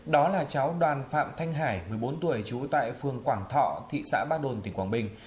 đó là cháu đoàn phạm thanh hải một mươi bốn tuổi trú tại phường quảng thọ thị xã ba đồn tỉnh quảng bình